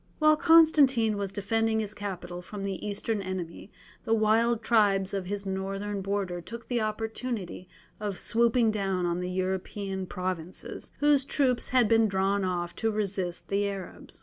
While Constantine was defending his capital from the Eastern enemy, the wild tribes of his northern border took the opportunity of swooping down on the European provinces, whose troops had been drawn off to resist the Arabs.